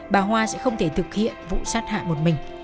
bà hoa sẽ không thể thực hiện vụ sát hại một mình